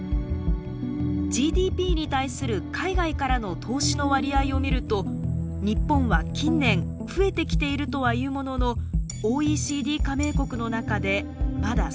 ＧＤＰに対する海外からの投資の割合を見ると日本は近年増えてきているとはいうもののＯＥＣＤ加盟国の中でまだ最下位。